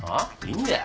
いんだよ。